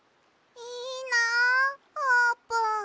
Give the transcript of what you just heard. いいなあーぷん。